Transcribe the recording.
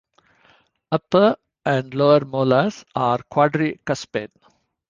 Upper and lower molars are quadricuspid.